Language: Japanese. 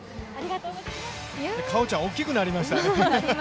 果緒ちゃん、大きくなりましたね。